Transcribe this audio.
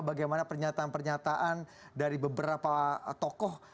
bagaimana pernyataan pernyataan dari beberapa tokoh